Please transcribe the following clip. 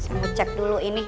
saya mau cek dulu ini